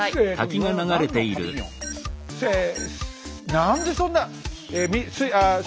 何でそんな。